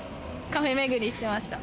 カフェめぐりしてました。